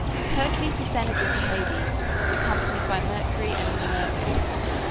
Hercules descended into Hades, accompanied by Mercury and Minerva.